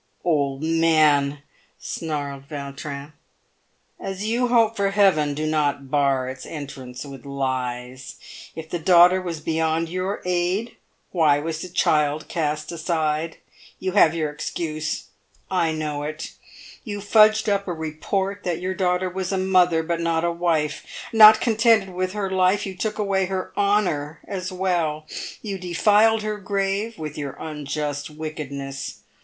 " Old man," snarled Yautrin, "as you hope for heaven, do not bar its entrance with lies. If the daughter was beyond your aid, why was the child cast aside ? You have your excuse ! I know it. You fudged up a report that your daughter was a mother but not a wife. Not contented with her life, you took away her honour as well. You denied her grave with your unjust wickedness.